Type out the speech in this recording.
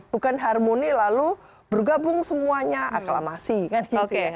bukan harmoni lalu bergabung semuanya aklamasi kan gitu ya